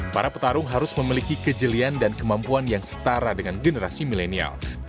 para petarung harus memiliki kejelian dan kemampuan yang setara dengan generasi milenial